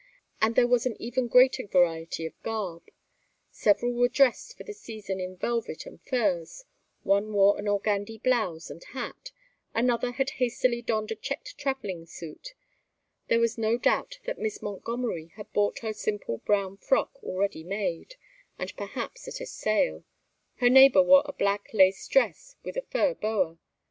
And there was an even greater variety of garb. Several were dressed for the season in velvet and furs: one wore an organdie blouse and hat; another had hastily donned a checked travelling suit; there was no doubt that Miss Montgomery had bought her simple brown frock already made, and perhaps at a sale; her neighbor wore a black lace dress with a fur boa.